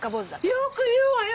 よく言うわよ！